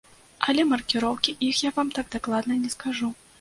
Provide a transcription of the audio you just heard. Але маркіроўкі іх я вам так дакладна не скажу.